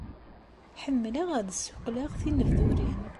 Ḥemmleɣ ad d-ssuqqleɣ tinebdurin.